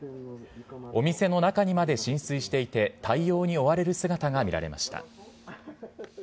お店の中にまで浸水していて、対応に追われる姿が見られました。